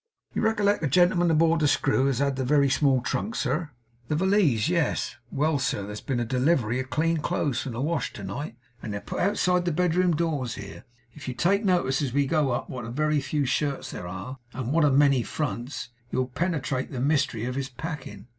'You recollect the gentleman aboard the Screw as had the very small trunk, sir?' 'The valise? Yes.' 'Well, sir, there's been a delivery of clean clothes from the wash to night, and they're put outside the bedroom doors here. If you take notice as we go up, what a very few shirts there are, and what a many fronts, you'll penetrate the mystery of his packing.